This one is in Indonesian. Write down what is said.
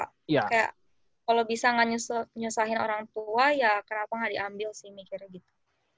kayak kalau bisa gak nyusahin orang tua ya kenapa gak diambil sih mikirnya gitu